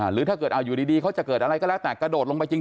หรือถ้าเกิดอยู่ดีเขาจะเกิดอะไรก็แล้วแต่กระโดดลงไปจริง